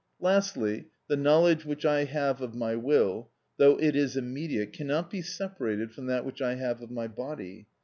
Lastly, the knowledge which I have of my will, though it is immediate, cannot be separated from that which I have of my body.